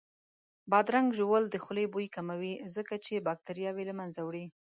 بادرنګ ژوول د خولې بوی کموي ځکه چې باکتریاوې له منځه وړي